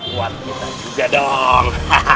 buat kita juga dong